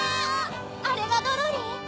あれがドロリン？